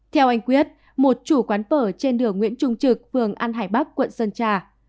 theo anh quyết một chủ quán phở trên đường nguyễn trung trực phường an hải bắc quận sơn trà